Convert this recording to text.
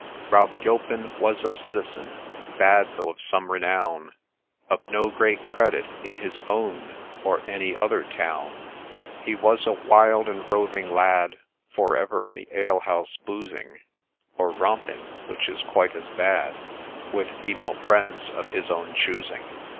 Rob Gilpin ' was a citizen ;' But though of some ' renown, Of no great ' credit ' in his own, Or any other town. He was a wild and roving lad, For ever in the alehouse boozing ; Or romping, — which is quite as bad, — With female friends of his own choosing.